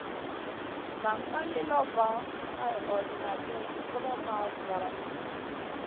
Nan ka li lop hay ordinater zi kulomʼma valamu.